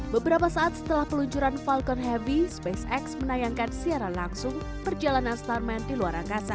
beberapa saat setelah peluncuran falcon heavy spacex menayangkan secara langsung perjalanan starman di luar angkasa